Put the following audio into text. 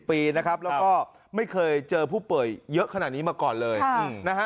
ปีนะครับแล้วก็ไม่เคยเจอผู้ป่วยเยอะขนาดนี้มาก่อนเลยนะฮะ